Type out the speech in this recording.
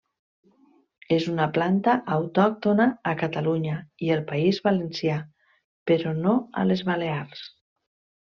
És una planta autòctona a Catalunya i el País Valencià però no a les Balears.